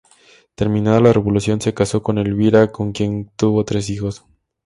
Terminada la revolución se casó con Elvira con quien tuvo tres hijos.